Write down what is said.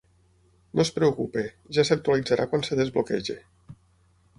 No es preocupi, ja s'actualitzarà quan es desbloqueji.